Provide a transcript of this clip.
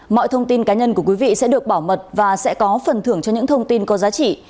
mọi thông tin cá nhân của quý vị sẽ được bảo mật và sẽ có phần thưởng cho những thông tin có giá trị